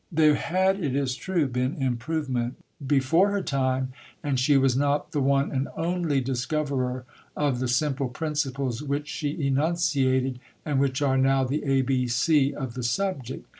There had, it is true, been improvement before her time; and she was not the one and only discoverer of the simple principles which she enunciated, and which are now the A B C of the subject.